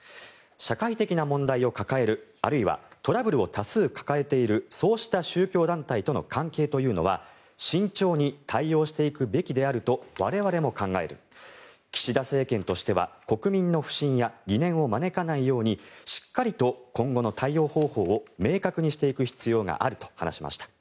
社会的な問題を抱える、あるいはトラブルを多数抱えているそうした宗教団体との関係というのは慎重に対応していくべきであると我々も考える岸田政権としては国民の不信や疑念を招かないようにしっかりと今後の対応方法を明確にしていく必要があると話しました。